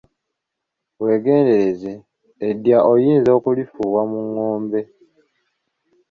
Weegendereze, eddya oyinza okulifuwa mu ngombe.